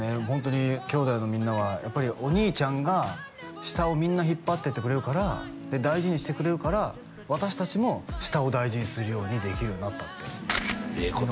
ホントに兄弟のみんなはお兄ちゃんが下をみんな引っ張ってってくれるからで大事にしてくれるから私達も下を大事にするようにできるようになったってええ